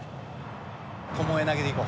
巴投げでいこう。